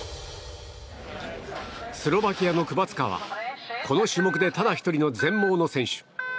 スロバキアのクバツカはこの種目でただ１人の全盲の選手。